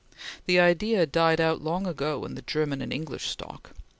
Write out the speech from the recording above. The idea died out long ago in the German and English stock.